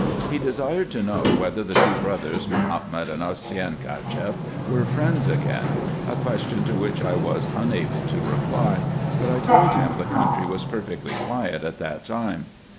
He desired to know, whether the two brothers, Mahomet and Osseyn Cacheff, were friends again ; a question to which I was unable to reply ; but I told him the country was perfectly quiet at that time.